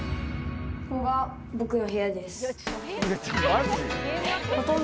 ここが僕の部屋です。